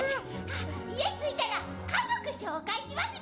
家着いたら家族紹介しますね。